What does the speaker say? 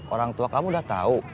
orang tua kamu udah tahu